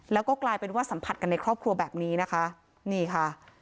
แล้วก็กลายเป็นว่าสัมผัสกันในครอบครัวแบบนี้นะคะนี่ค่ะ